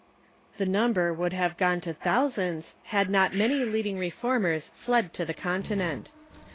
* The number Avould have gone to thousands had not many leading Reformers fled to the Continent.